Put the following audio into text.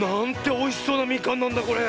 おいしそうなみかんなんだこれ！